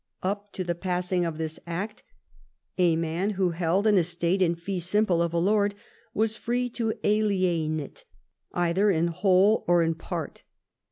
Up to the passing of this act a man who held an estate in fee simple of a lord was free to aliene it either in whole or in part.